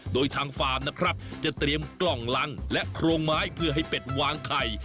โดยทางฟาร์มนะครับจะเตรียมกล่องลังและโครงไม้เพื่อให้เป็ดวางไข่